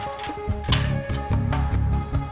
gak usah banyak ngomong